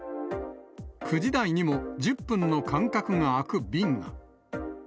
９時台にも１０分の間隔が空く便が。